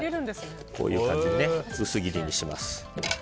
こういう感じで薄切りにします。